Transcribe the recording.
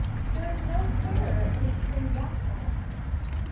There is no terror in extreme watchfulness.